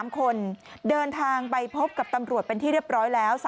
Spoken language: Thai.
๓คนเดินทางไปพบกับตำรวจเป็นที่เรียบร้อยแล้ว